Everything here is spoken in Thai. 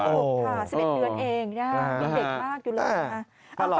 ๑๑เดือนเองนะครับเป็นเด็กมากอยู่แล้ว